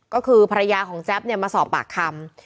ก็คือภรรยาของแจ๊บมาสอบปากคำ